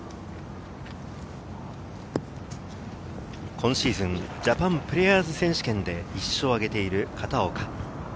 今シーズン、ジャパンプレーヤーズ選手権で１勝挙げている片岡。